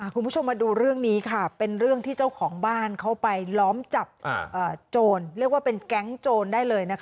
คุณผู้ชมมาดูเรื่องนี้เป็นเรื่องที่เจ้าของบ้านเขาไปหลอมจับแก๊งโจรได้เลย